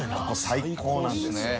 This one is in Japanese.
最高なんですよ。